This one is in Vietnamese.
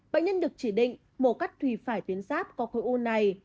bệnh nhân được chỉ định mổ cắt thủy phải tuyến giáp có khối u này